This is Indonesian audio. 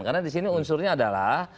karena di sini unsurnya adalah